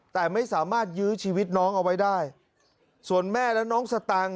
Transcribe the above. แต่ไม่สามารถยื้อชีวิตน้องเอาไว้ได้ส่วนแม่และน้องสตังค์